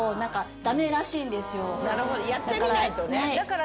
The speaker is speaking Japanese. やってみないとね。